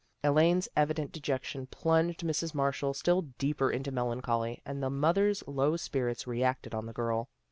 Elaine's evident dejection plunged Mrs. Marshall still deeper into melancholy, and the mother's low spirits reacted on the girl.